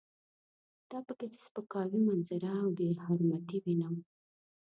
دا په کې د سپکاوي منظره او بې حرمتي وینم.